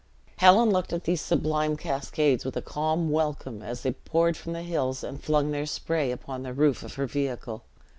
Helen looked at these sublime cascades with a calm welcome, as they poured from the hills, and flung their spray upon the roof of her vehicle.